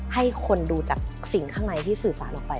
ให้คนดูจากสิ่งข้างในที่สื่อสารออกไป